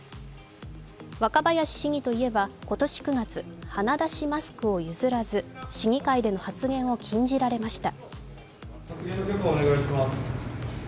若林市議といえば、今年９月、鼻出しマスクを譲らず、市議会での発言を禁じられました。